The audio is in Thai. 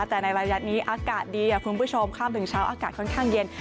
แต่ในระยะนี้อากาศดีคุณผู้ชมข้ามถึงเช้าอากาศค่อนข้างเย็น